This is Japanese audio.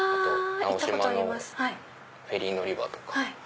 直島のフェリー乗り場とか。